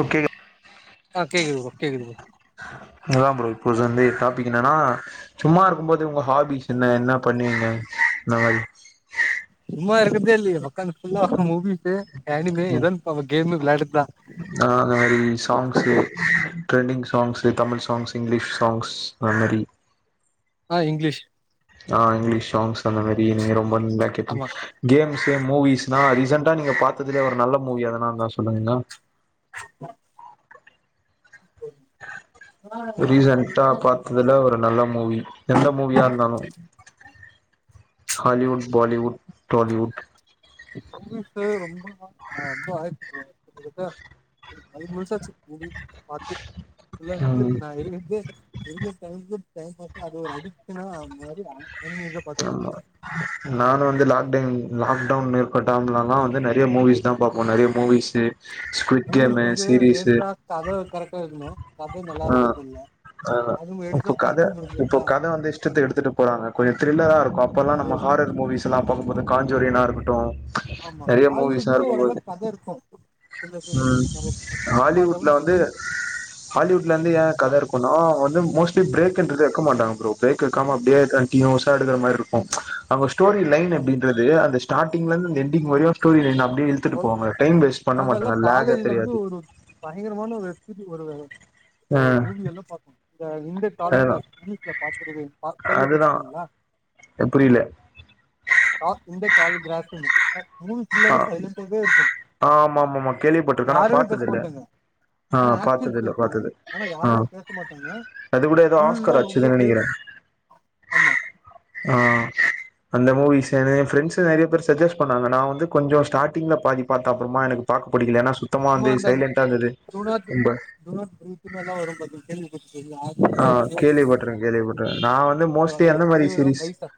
Okay ஆ கேக்குது bro கேக்குது ப்ரோ அதான் ப்ரோ இப்போ வந்து டாபிக் என்னன்னா சும்மா இருக்கும்போது உங்க ஹாபிஸ் என்ன என்ன பண்ணுவீங்க இந்த மாரி சும்மா இருக்கராதே இல்ல உக்கந்த புல்ல மூவீஸ் ஆனிமே ம் இதன் அவ கேம்மு விளாடு ஆ அந்த மாதிரி songs trending songs Tamil songs English songs அ மாதிரி ஆ இங்கிலிஷ் ஆ இங்கிலீஷ் சாங்ஸ் அந்த மாதிரி ரொம்ப நல்லா ஆமா கேட்பங்க கேம்ஸ் மூவிஸ்னா ரீசெண்டா நீங்க பாத்ததுலயே ஒரு நல்ல மூவி அதெனா இருந்தா சொல்லுங்க [inaudible] [inaudible] ரீசன்டா பாத்ததுல ஒரு நல்ல மூவி எந்த மூவியா இருந்தாலு ஹாலிவுட் பாலிவுட் ஹோலிவுட் ரொம்ப ரொம்ப [unintelligible] ஐ முழுசாச்சு பாத்து இல்ல குளிச்ச ம் நான் இரு அது ஒரு அடிகஷனாந்த மாரி ஆனிமேதா ஆமா பாத்துட்ருக்கே நான் வந்து லாக் லாக்டவுன் ஏற்பட்டலா வந்து நிறைய மூவிஸ் தா பாப்போ நிறைய மூவிஸ் மூவிஸ் வந்து எடுத்தா அத கரெக்டா இருக்கணு அது நல்லா இருக்குதுல்ல அ இப்ப கதை இப்ப கதை வந்து இஷ்டத்தை எடுத்துட்டு போறாங்க கொஞ்ச தி தில்லரா இருக்கு அப்பேல்லா அது நம்ம ஹாரர் மூவிஸ் எல்லாம் பாக்கும் போது கஞ்சோரின இருக்கட்டும் ஆமா ஆஹாலிவுட்ல ஓரளவு கதை இருக்கு ம் ஹாலிவுட்ல வந்து [unintelligible] ஹாலிவுட்ல இருந்து ஏன் கதை இருக்கணு வந்து மோஸ்லி பிரேக்ன்றது எடுக்க மாட்டாங்க ப்ரோ பிரேக் எக்காம அப்படியே கண்டிநியுசா எடுக் மாதிரி இருக்கு ஸ்டோரி லைன் ஆமா அப்படின்றது அந்தஸார்டி்ல இருந்து அந்த எண்டிங் வரையும் ஸ்டோரி லை அப்ப இழுத்துட்டு கொல் போவாங்க டைம் வேஸ்ட் பண்ண நாங்கல்லா மாட்டேங்க லேக தெரியாது இது ஒரு ஆ ஒரு மூவிய எல்லாம் பார்த்தோம் இந்த இந்தடால் அதுதா இங்கிலீஷ்ல பாத்துருவேங்க அதுதா கேள்விப்பட்டிருக்கீங்களா புரியல டால் கிரா மூவி புல்ல ஆ சைலன்டு இருக்கும் ஆமா ஆமா ஆமா கேள்விப்பட்டிருக்கே ஆனா யாருமே பாத்தது இல்ல பேசப்பட்டங்க ஆ ஆனா ஆக்ஷன் பாத்தது இல்ல இருக்கும் பாத்தது ஆனா ஆ யாருமே பேச மாட்டாங்க அது கூட ஏதோ ஃபுல்லா ஆஸ்கர் ரொம்ப ஆச்சுதுன்னு அப்டியே நினைக்கிறே ஆமா ம் அந்த மூவிஸ் என் ப்ரெண்டஸ் நிறைய பேர் சஜஸ் பண்ணாங்க நான் வந்து கொஞ்ச ஸ்டார்டிங் பாதி பாத்த அப்புறமா பாக் புடிக்கல ஏன்னா சுத்தமா அப்மா வந்து அந்த சைலண்ட்டா இருந்தது டூ நாட் ரொம்ப டூ நாட் பிரீத்னு எல்லா வரு பாத்தீங்க கேள்விப்பட்டிருக்கீங்களா ஆ கேள்விப்பட்ருக்க அது கேள்விப்பட்ருக்க நா வந்து மோஸ்ட்லி அந்த எந்த மாரி பெரியவரு சீரீஸ் வயசா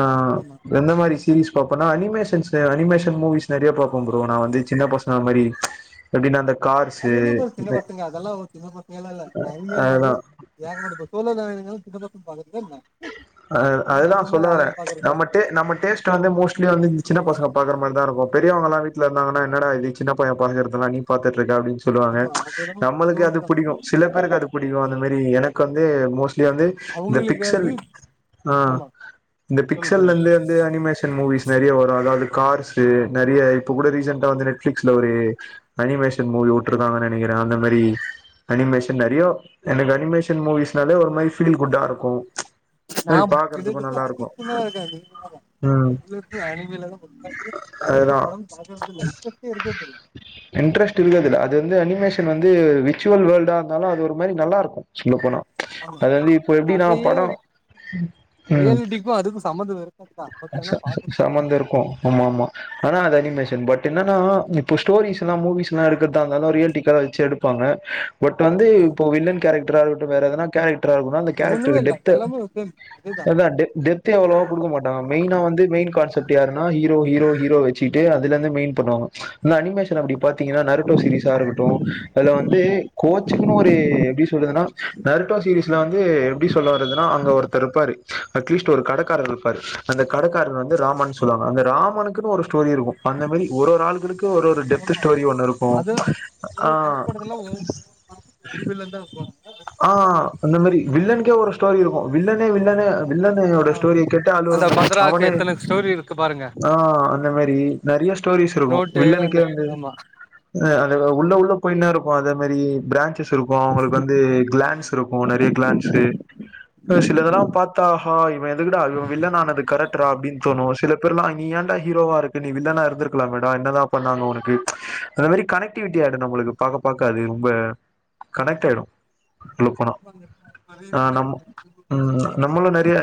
ஆ ஆமா எந்த மாரி சீரீஸ் பாப்பேன்னா அனிமேஷன்ஸ் அனிமேஷன் மூவிஸ் நெறைய பாப்ப ப்ரோ நா வந்து சின்னப் பசங்க மாரி எப்டின்னா அந்த கார்ஸு அது என்ன ப்ரோ சின்ன பசங்க அதல்லா ஒரு சின்ன பசங்கள்லா இல்ல அதா அனிமேல்னாவே ஏகப்பட்ட [unintelligible] சின்ன பசங்க பாக்கறதா என்ன ஆ எல்லா அதுதா நம்ம சொல்ல மாரி வர ஆளுங்க பாக்குறதுதா நம்ம டே நம்ம டேஸ்ட் வந்து மோஸ்ட்லி வந்து இந்த சின்ன பசங்க பாக்கற மாரிதா இருக்கும் பெரியவங்கள்லா வீட்ல இருந்தாங்கன்னா என்னடா இது சின்னப் பைய பாக்கறதுல்லா நீ பாத்துட்ருக்க அப்டின்னு சொல்லுவாங்க ஆமா அது என்னமோ நம்மளுக்கு அது சொல்லுவாங்கதா புடிக்கு சில பேருக்கு அது புடிக்கு அந்த ஆமா மேரி எனக்கு வந்து மோஸ்ட்லி வந்து இந்த பிக் அவங்களுக்கு சல் அது ஆ ஆமா இந்த சொல்லுங்க சொல்லுங்க பிக்சல்லேருந்து வந்து அனிமேஷன் மூவிஸ் நெறைய வரு அதாவது கார்ஸு நெறைய இப்ப கூட ரீசென்ட்டா வந்து நெட்ஃபிளிக்ஸ்ல ஒரு அனிமேஷன் மூவி உட்ருக்காங்கன்னு நெனைக்கிற அந்தமாரி அனிமேஷன் நெறையா எனக்கு அனிமேஷன் மூவிஸ்னாலே ஒரு மாரி ஃபீல் குட்டா இருக்கும் நா இதுக்குத் [inaudible] இருக்காது நீங்க ம் வேற [inaudible] அணிமேலதா [inaudible] வேற எந்த அதுதா படமு பாக்கறதுல்ல இன்ட்ரெஸ்ட்டே இருக்கறதில்ல இன்ட்ரெஸ்ட் இல்ல இதுல அது வந்து அனிமேஷன் வந்து விர்ச்சுவல் வேல்டா இருந்தாலு அது ஒரு மாரி நல்லாருக்கும் சொல்லப் போனா அதாது இப்போ எப்டின்னா ஏ படோ ம் ரியாலிட்டிக்கும் அதுக்கும் சம்மந்த இருக்கத்தா ச ச சம்மந்த இருக்கும் ஆமா ஆமா ஆனா அது அனிமே சென் பட் என்னன்னா இப்ப ஸ்டோரிஸ்லா மூவிஸ்லா எடுக்கறதா இருந்தாலு ரியல்டிக்கலா வச்சு எடுப்பாங்க பட் வந்து ஆமா இப்போ வில்லன் கேரக்டரா இருக்கட்டு வேற எதனா கேரக் ட்ரா இருக்கணு அந்த ஒண்ணுமே கேரக்டருக்கு இல்ல டெப்த்து எல்லாமே சேம் அதேதா அதா டெ டெப்த்து அவ்ளோவா குடுக்கமாட் மெயினா வந்து மெயின் கான்செப்ட்டு யாருன்னா ஹீரோ ஹீரோ ஹீரோ வச்சுட்டு அதுலேந்து மெயின் பண்ணுவாங்க இல்ல அனிமேஷன் அப்டி பாத்தீங்கன்னா நரட்டோ சிரீஸா இருக்கட்டும் அதுல வந்து கோச்சுக்குன்னு ஒரு எப்டி சொல் துனா நெரட்டோ சீரீஸ்ல வந்து எப்டி சொல்ல வருதுனா அங்க ஒருத் தர் இருப்பாரு அட்லீஸ்ட் ஒரு கடக்காரரு இருப்பாரு அந்தக் கடக்காரர் வந்து ராமன்னு சொல்லுவாங்க அந்த ராமனுக்குன்னு ஒரு ஸ்டோரி இருக்கும் அந்த மாரி ஒரு ஒரு ஆளுக்குன்னு இங்கு ஒரு ஒரு ஆமா டெப்த்து ஸ்டோரி ஒன்னு இருக்கும் அது ஆ [unintelligible] ருந்தா போவுணுமா சார் ஆ அந்த மாரி வில்லனுக்கே ஒரு ஸ்டோரி இருக்கும் வில்லன் வில்லனு வில்லனு ஓட ஸ்டோரிய கேட்டு அழுவுற அந்த மாரி மதுராக்கு அவனே எத்தன ஸ்டோரி இருக்கு பாருங்க ஆ அந்தமா ரி நெறைய ஸ்டோரிஸ் இருக்கும் நோட்டு அந்த வில்லனுக்கே ஆமா ஆ அது உள்ள உள்ள போயின்னேருக் அதே மாரி பிரான்ச்சஸ் இருக்கும் அவுங்களுக்கு வந்து கிளான்ஸ் இருக்கும் நெறைய கிளான்ஸு ஆ சிலதெல்லாம் பாத்தா ஹாய் இவ எதுக்கடா அழுவுனு வில்லனானது கரக்ட்ரா அப்டின்னு தோணும் சில பேர்லா அங்க நீ ஏண்டா ஹீரோவா இருக்க நீ வில்லனா இருந்துருக்கலாமேடா என்னதா பண்ணாங்க ஒனக்கு அந்தமாரி கனெக்டிவிட்டி ஆயிடு நம்மளுக் கு பாக்க பாக்க அது ரொம்ப கனெக்ட்டாயிடு சொல்லப்போனா ஆ நம்ம ம் நம்மளு நெறைய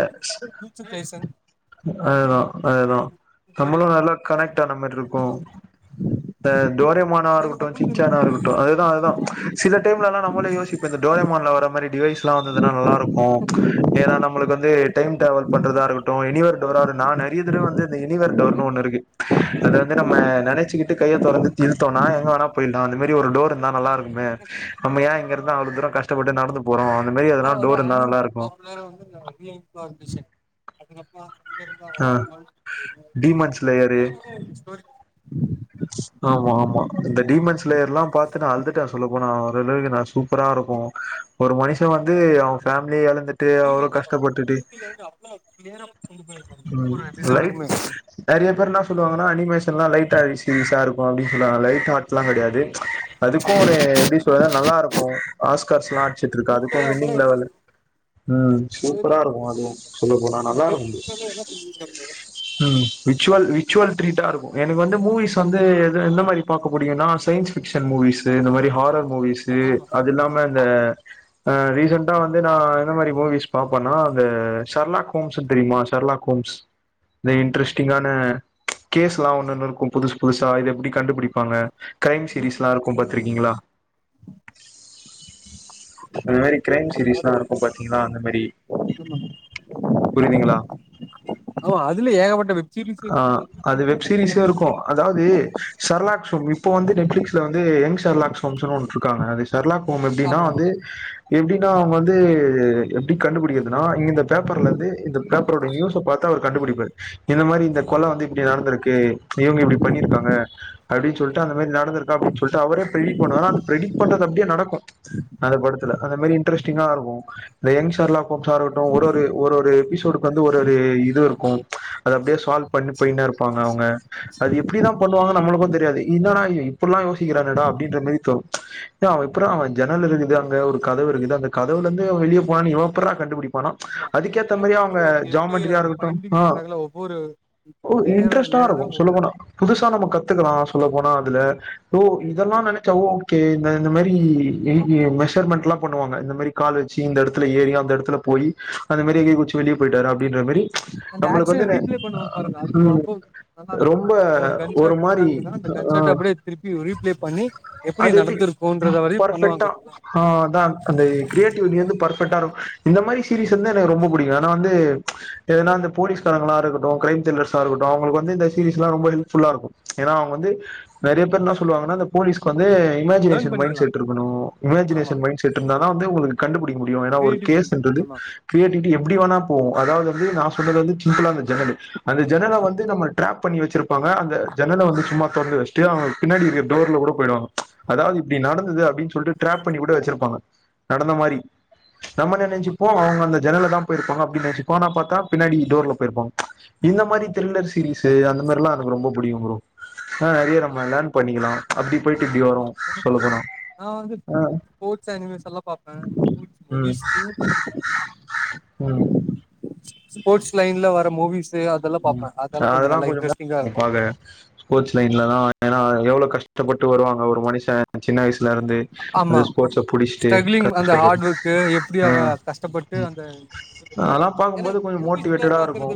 ஆ அதா அதேதா நம்மளு நல்ல கனெக்ட் ஆன மாரி இருக்கும் ஆ டோரேமானா இருக்கட்டு ஏகப்பட்டது இருக்கு சின்ச்சானா இருக்கட்டு அதுதா அதுதா சில டைம்லல்லா நம்மளே யோசிச் டோயமான்ல வர மாரி டிவைஸ்லா வந்ததுன்னா நல்லாருக்கும் ஏன்னா நம்மளுக்கு வந்து டைம் ட்ராவல் பண்றதா இருக் ட்டு எனிவர் டோரா நா நெறைய தடவ வந்து எனிவர் டோர்னு ஒன்னு இருக்கு அத வந்து நம்ம நெனைச்சுக்கிட்டு க தொறந்துத் இழுத்தோனா எங்க வேணா போயிட்லா அந்த மாரி ஒரு டோர் இருந்தா நல்லாருக்குமே நம்ம ஏ இங்கருந் அவ்ளோ தூர கஷ்டப்பட்டு நடந்து போறோ இப்போ எதனா வந்து டோர் இருந்தா நல்லா அனிமேல்ஸ்ல இருக்கு பாப்புலரா வந்து இந்த [unintelligible] விஷன் அதுக்கப்புற ஆ டீமன்ஸ் லேயரு [inaudible] ஸ்டோரி ஆமா ஆமா இந்த டிமென்ஸ்லேயர்லா பாத்து நா அழுதுட்ட சொல்லப் போனா ஓரளவுக்கு நா சூப்பரா இருக்கு ம் ஒரு மனுஷ வந்து அவ ஃபேமிலிய எழந்துட் தே தூரி அவ்ளோ ஆமா கஷ்டப்பட்டுட்டு தூரில இருந்து அவ்ளோ கிளியரா கொண்டு போயிருக்காங்க ம் ஒவ்வொரு லைட் எபிசோடுக்குமே நெறைய பேர் என்ன சொல்லுவாங்கனா அனிமேஷன்லா லைட்டாய்ருச்சு சாருபா அப்டின் சொல்லுவாங்க லைட் ஆட்ஸ்லா கெடையாது அதுக்கு ஒரு எப்டி சொல்றதுனா நல்லா இருக்கு ஆஸ்கார்ஸ்லா அட்ச்சிட்ருக்கு அதுக்கு வின்னிங் கூட லெவலு ம் சூப்பரா ஸ்டோரியும் இருக்கு அதுவு கூட்டலாம் சொல்ல போனா நம் நல்லா இருக்கு வெற்றி ப்ரோ மேல என்ன சொல்லியிருக்காங்க. ம் விச்சுவல் விச்சுவல் ட்ரீட்டா இருக்கு எனக்கு வந்து மூவிஸ் வந்து எது எந்த மாரி பாக்க புடிக்குனா சயின்ஸ் பிக்ஷன் மூவிஸு இந்த மாரி ஹாரர் மூவிஸு ஆமா அது இல்லாம ஆமா இந்த அ ரீசண்டா வந்து நா எந்த மாரி மூவிஸ் பாப்பனா அந்த சர்லாக்கோம்ஸ்னு தெரியுமா சர்லாக்கோம்ஸ் இந்த ஆமா இன்ட்ரெஸ்டிங்கான கேஸ்லா ஒன்னொன்னு இருக்கு புதுசு புதுசா இத எப்டி கண்டுபுடிப்பாங்க க்ரைம் சீரீஸ்லா இருக்கு பாத்துருக்கீங்களா அது மாரி க்ரைம் சீரிஸ்லா இருக்கு பாத்தீங்னா அந்த மாரி ஆமா புரியுதுங்களா அதுல ஏகப்பட்ட வெப் சீரிஸ் ஆ இருக்கு மூவிஸ் அது இருக்கு வெப் சீரிஸு அனிமேவும் இருக்கு அதாவ்து சர்லாக்ஹோம் இப்ப வந்து நெட்ஃப்ளிக்ஸ்ல வந்து என் சர்லாக்ஸ்ஹோம்ஸுனு ஒன்ருக்காங்க அதேஸ் சர்லாக்ஹோம் எப்டினா ஆமா ஆமா வந்து எப்டினா அவ்ங்க வந்து எப்டி கண்டுபுடிக்கிறதுனா இந்தந்த பேப்பர் லருந்து இந்த பேப்பருடைய நியூஸ பாத்து அவரு கண்டுபுடிப்பாரு இந்த மாரி இந் இந்த கொல வந்து இப்டி நடந்திருக்கு இவ்ங்க இப்டி பண்ணிருக்காங்க அப்டின் சொல்ட்டு அந்த மாரி நடந்திருக்கா அப்டின் சொல்ட்டு அவர் பேரு பிரதீபன் ஆனா அந்த பிரடிப் பண்றது அப்டியே நடக்கு அந்த படத்துல அந்த மாரி இன்ட்ரஸ்டிங்கா இருக்கு வே என் சர்லாக்ஹோம்ஸா இருக்கட்டு ஒரு ஒரு ஒரு ஒரு எபிசோடுக்கு வந்து ஒரு ஒரு இது இருக்கு அது அப்டியே சால்வ் பண்ணி பண்ணினே இருப்பாங்க அவ்ங்க அது எப்டிதா பண்ணுவாங்க நம்மளுக்கு தெரியாது இன்னாடா இவ இப்புட்லா யோசிக்கிறானேடா அப்டின்ற மாரி தோணு ஏ அவ எப்புட்றா அவ ஜன்னல குதிக்கோ அங்க ஒரு கதவு இருக்குது அந்த கதவுலந்து அவ வெளிய போனான்னு இவ எப்புட்றா கண்டுபுடிப் ப்பானா ஆமா அதுக்கேத்த பிரேக் மாரியா த்ரூ அவ்ங்க அவங்க எப்படி ஜாமென்ட்ரியா அதை இருக்கட்டு ஃபைண்டிங் ஆ பண்றாங்களா ஒவ்வொரு ஓ லேயரா இன்ட்ரெஸ்ட்டா லேயரா இருக்கு ஒவ்வொரு சொல்ல போனா புதுசா நம்ம ஆமா கத்துக்கலா சொல்ல போனா அதுல ஓ இதெல்லா நெனச்சா ஓகே இந்த இந்த மாரி எய் ஏ மெஷர்மெண்ட்ல லா பண்ணுவாங்க இந்த மாரி கால் வச்சு இந்த எடத்துல ஏறி அந்த எடத்துல போயி அந்த மாரி எகிறி குதிச்சி வெளிய போயிட்டாரா அப்டின்ற மாரி அந்த நம்மளுக்கு ஆக்ஷனை வந்து ந ரீப்ளே பண்ணுவாங்க பாருங்க அது ம் ரொம்ப நல்லா இருக்கும் ரொம்ப இப்போ கன் ஒரு ஷாட் மாரி பண்றாங்கன்னா அந்த கன் ஆ ஷாட் அப்படியே திருப்பி ரீப்ளே பண்ணி எப்படி அது எப்டி நடந்திருக்கும்ன்றத வரையும் பண்ணுவாங்க பர்ஃபெக்டா பாத்தீங்களா ஆ தான் அந்த கிரியேட்டிவிட்டிலருந்து பர்ஃபெக்டா இருக் இந்த மாரி சீரீஸ் வந்து எனக்கு ரொம்ப பிடிக்கு ஏனா வந்து ஏனா அந்த போலீஸ்காரங்களா இருக்க நோ க்ரைம் திரில்லர்ஸா இருக்கட்டு அவ்ங்களுக்கு வந்து இந்த சீரிஸ்ல்லா ரொம்ப யூஸ் ஃபுல்லா இருக்கு ஏனா அவ்ங்க வந்து நெறைய பேர் என்னா சொல்லுவாங் ஆனா அந்த போலீஸ்க்கு வந்து லேர்ன் இமஜினேஷன் மைண்ட் பண்ணிக்கலாம் செட் இருக்கணு ஆமா இமஜினேஷன் மைண்ட செட் இருந்தா தா உங்களுக்கு கண்டுபுடி டிக்க முடியு ஏனா ஒரு கிரியேட்டிவிட்டி கேஸுன்றுது ஆமா கிரியேட்டிவிட்டி எப்டி வேனா போவு அதாவ்து து நா சொன்னது வந்து சிம்புளா அந்த ஜன்னலு அந்த ஜன்னல வந்து நம்ம ட்ராப் பண்ணி வச்சிருப் தோனா அந்த ஜன்னல வந்து சும்மா தொரந்து வச்ட்டு அவ்ங்க பின்னாடி இருக்க டோர்ல கூட போயிடுவாங்க அதாவ்து இப்டி நடந்தது அப்டின்னு சொல்ட்டு ட்ராப் பண்ணி கூட வச்சிருப்பாங்க நடந்த மாரி நம்ம என்ன ஆமா நென்ச்சுப்போ அவ்ங்க அந்த ஜன்னல தா போயிருப்பாங்க அப்டின் நெனச்சிக்கோ ஆனா பாத்தா பின்னாடி டோர்ல போயிருப்பாங்க இந்த மாரி த்ரில்லர் சீரீஸு அந்த மார்லா எனக்கு ரொம்ப புடிக்கு ப்ரோ ஆ நெறைய நம்ம லேர்ன் பண்ணிக்கலா அப்டி போயிட்டு இப்டி அம்மா வரு பொண்ணு சொல்ல பாக்குது போனா நா வந்து ஆ ஸ்போர்ட்ஸ் அனிமேசன்லா பாப்பே ம் மூவிஸ்லயு ம் ஸ்போர்ட்ஸ் லைன்ல வர மூவிஸ் ம் அதெல்லா கொஞ்ச [inaudible] இருக்கு பாக்க ஸ்போர்ட்ஸ் லைன் இல்லதா ஏனா எவ்ளோ கஷ்டப்பட்டு வருவாங்க ஒரு மனுஷ சின்ன வயசு லருந்து ஆமா அந்த ஸ்போர்ட்ஸ புடிச்ட்டு ஸ்ட்ரகிளிங் அந்த கஷ்டப்படு ஹார்ட் ஒர்க்கு எப்டி ஆ அவ கஷ்டப்பட்டு அந்த அதெல்லா ஏன்னா பாக்கும்போது கொஞ்ச மோட்டிவேட்டடா இருக்கு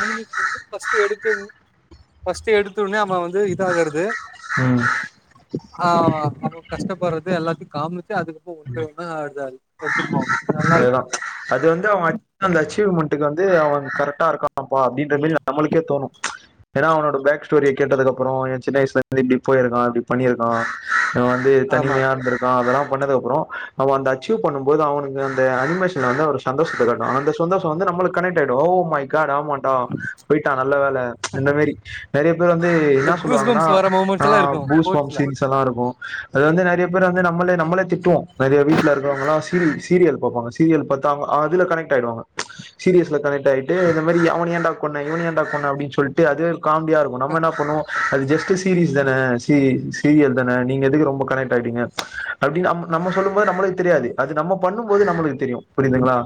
எனக்கு தெரிஞ்சு ஃபஸ்ட்டு எடுத்தோன்யு ஃபஸ்ட்டு எடுத்தோன அவ வந் து இதாகறது ம் ஆ அவ்ங்க கஷ்டப்பட்றது எல்லாத்தையு காமிச்சு டே அதுக்கப்றோ ஒன்றோன்னா அது அது அதேதா அது வந்து [inaudible] அச்சீவ்மென் மென்டுக்கு வந்து அவே கரெக்டா இருக்காபா அப்டின்ற மாரி நம்மளுக்கே தோணு ஏன்னா அவனோட பேக் ஸ்டோரிய கேட்டதுக்கு அப்புறோ எயா சின்ன வயசுல இருந் இப்டி போயிருக்கா இப்டி பண்ணியிருக்கா இவே வந்து ஆமா தனிமையா இருந்திருக்கா அதெல்லாம் பண்ணதுக்கு அப்புறோ நம்ம அந்த அச்சீவ் பண்ணும் போது அவுனுங்க அந்த அனிமேஷன் வந்தா ஒரு சந்தோஷத்த அந்த சந்தோஷோ வந்து நம்மளுக்கு கனெக்ட் ஆகிடு ஓ மை காட் ஆமா டோ போயிட்ட நல்ல வேல இந்த மாரி நெறைய பேர் வந்து இந்த என்ன கூஸ் சொல்லுவாங்கன்னா பம்ப்ஸ் வர ஆ மூமெண்ட்ஸ் எல்லா இருக்கு பூஸ்பம்ஸ் ஸ்போர்ட்ஸ்ல சீன்ஸ் எல்லா இருக்கு அது வந்து நறைய பேர் வந்து நம்மளே நம்மளே திட்டுவோ நறைய வீட்டுல இருக்கவங்கல்லா சீரி சீரியல் பாப்பாங்க சீரியல் பத்தா அவுங் அதுல கனெக்ட்டாயிடுவங்க சீரியஸ்ல கனெக்ட் கனெக்ட்டாயிட்டு இந்த மாரி அவனா என்டா கொன்ன இவன என்டா கொன்ன அப்டின் சொல்டு அது காம்டியா இருக்கு நம்ம என்ன பண்ணுவோ அது ஜெஸ்ட் டு சீரீஸ் தானே சீரி சீரியல் தானே நீங்க எதுக்கு ரொம்ப கனெக்ட் ஆயிட்றிங்க அப்டின் நம்ம நம்ம சொல்லும் போது நம்ளுக்கு தெரியாது அது நம்ம பண்ணும் போது நம்மளுக்கு தெரியு புரிதுங்களா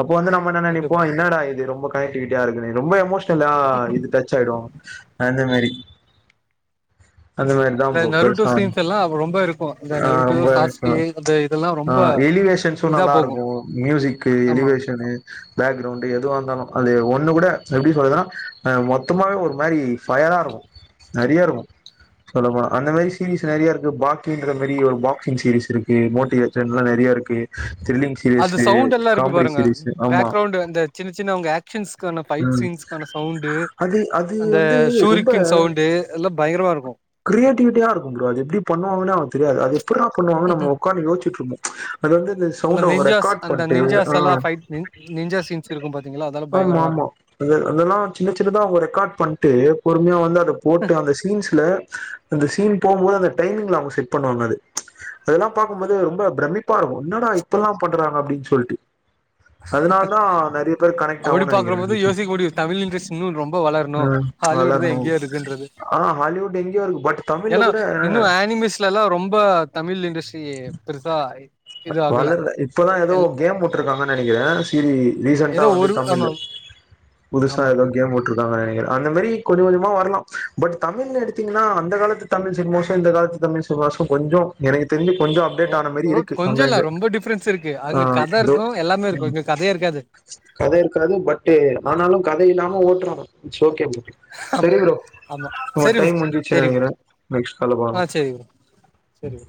அப்போ வந்து நம்ம என்ன ஓகே நெனைப்போ ப்ரோ என்னடா இது ரொம்ப கனெக்டிவிட்டியா இருக்கு ரொம்ப எமோஷன்லா இது டச் ஆயிடு அந்த மாரி அந்த மாரிதா இந்த ப்ரோ நருட்டோ பெருசா ஆகு சீன்ஸ் எல்லா ரொம்ப இருக்கு இந்த ஆ நருட்டோ ரொம்ப சாஸ்கே அந்த இதெல்லா [inaudible] ஆ ரொம்ப எலிவேஷன்ஸு இதா நல்லா போகு இருக்கு மியூசிக்கு ஆமா எலிவேஷனு பேக்ரவுண்டு எதுவா இருந்தாலு அது ஒன்னு கூட எப்டி சொல்றதுன்னா அ மொத்தமாவே ஒரு மாரி ஃபயரா இருக்கு. நறைய இருக்கோ. சொல்லபோனா அந்த மாரி சீரீஸ் நறையா இருக்கு பாக்கின்ற மாரி ஒரு பாக்சிங் சீரீஸ் இருக்கு மோட்டிவேஷன் எல்லா நெறைய இருக்கு அது சவுண்ட் எல்லா இருக்கு காமெடி பாருங்க சீரியஸு ஆமா பேக்ரவுண்ட் இந்த சின்ன சின்ன அவுங்க ஆக்ஷன்ஸ் கான ஃபைட் ம் சீன்ஸ்கான சவுண்டு அது அது அந்த வந்து ரொம்ப சூரிக்கின் சவுண்ட் எல்லா பயங்கரமா இருக்கு. கிரியேட்டிவிட்டியா இரு ப்ரோ அது எப்டி பண்ணுவாங்குன்னே அவனுக் தெரியாது எப்புட்றா பண்ணுவாங்க நம்ம ஒட்காந்து யோசிச்சிட்டு இருந்தோ அது வந்து இந்த சவுண்ட அவுங்க நெஞ்சாஸ் ரெக்கார்ட் அந்த பண்ட்டு நெஞ்சாஸ் ஆ எல்லா ஃபைட் நெஞ்சா சீன்ஸ் இருக்கு பாத்தீங்களா அதெல்லா ஆமா பயங்கரமா ஆமா இருக்கு அத அதெல்லா சின்ன சின்னதா அவுங்க ரெக்காட் பண்ட்டு பொறுமையா வந்து அத போட்டு அந்த சீன்ஸ்ல அந்த சீன் போம்போது அந்த டைமிங்ல அவுங்க செட் பண்ணுவாங்க அது அதெல்லா பாக்கும் போது ரொம்ப பிரம்மிப்பா இருக்கு என்னடா இப்பல்லா பண்றாங்க அப்டின்னு சொல்டு அதனால் தா நறைய பேர் அப்படி கனெக்ட்டாவுன்னு நெனைக்கிறே பாக்குறபோது எனக்கு தெரிஞ்சி யோசிக்க முடியு தமிழ் இண்டஸ்ட்ரி இன்னு ரொம்ப வளரணு அ ஹாலிவுட் தா வளர்னு எங்கேயோ இருக்குன்றது ஆ ஹாலிவுட் எங்கேயோ இருக்கு பட் தமிழ்ல ஏன்னா கூட இன்னு ஆனிமேஸ்லல்லா ரொம்ப தமிழ் இண்டஸ்ட்ரி எ பெருசா இது ஆகல வளர்ல இப்பதா ஏதோ எல் கேம் உட்டுடிருக்காங்கன்னு நெனைக்கிறே சீரி ரீசன்டா ஏதோ வந்து ஒரு ஆமா தமிழ்ல புதுசா ஆமா ஏதோ கேம் உட்டுடிருக் காங் நெனைக்கிறே அந்த மாரி கொஞ்ச கொஞ்சமா வரலா பட் தமிழ் எடுத்தீங்கன்னா அந்த காலத்து தமிழ் சினிமாஸு இந்த காலத்து தமிழ் சினிமாசும் கொஞ்சோ எனக்குத் தெரிஞ்சி கொஞ்சோ அப்டேட் ஆனா மாரி இருக்கு கொஞ்சோ இல்ல அங்கங்க ரொம்ப டிஃப்ரென்ஸ் இருக்கு ஆ அங்க கத இதோ இருக்கு எல்லாமே இருக்கு ம் இங்க கதையே இருக்காது கத இருக்காது பட்டே ஆனாலு கத இல்லாம ஓட்டுறா பாரு இட்ஸ் ஓகே சேரி ஆமா ப்ரோ ஆமா உங்க சரி ப்ரோ டைம் முடிஞ்சிட்சினு சரி ப்ரோ நெனைக்கிறே நெக்ஸ்ட் கால்ல பாக்கலாம் சேரி ப்ரோ